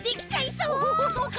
そうか！